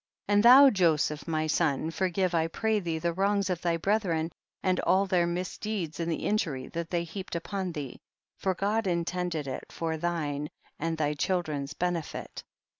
17. And thou, Joseph my son, forgive I pray thee the wrongs of thy brethren and all their misdeeds in the injury that they heaped upon thee, for God intended it for thine and thy children's benefit, 18.